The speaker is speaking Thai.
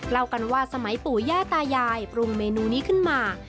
เล่ากันว่าสมัยปู่ย่าตายายปรุงเมนูนี้ขึ้นมา